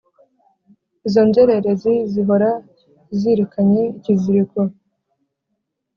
izo nzererezi zihora zirikanye ikiziriko